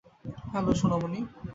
Hello, Sonamoni.